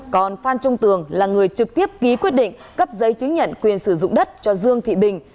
còn phan trung tường là người trực tiếp ký quyết định cấp giấy chứng nhận quyền sử dụng đất cho dương thị bình